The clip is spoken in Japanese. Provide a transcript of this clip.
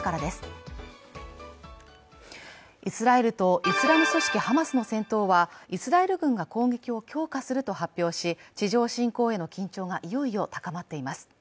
イスラエルとイスラム組織ハマスの戦闘はイスラエル軍が攻撃を強化すると発表し、地上侵攻への緊張がいよいよ高まっています。